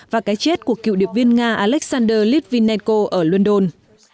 và cái chết của cựu điệp viên nga alexander lithienko ở london